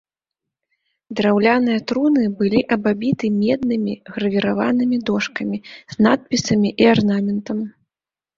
Драўляныя труны былі абабіты меднымі гравіраванымі дошкамі з надпісамі і арнаментам.